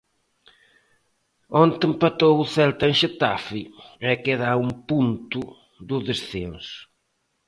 Onte empatou o Celta en Xetafe e queda a un punto do descenso.